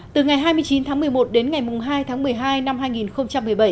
từ ngày hai mươi chín tháng một mươi một đến ngày hai tháng một mươi hai năm hai nghìn một mươi bảy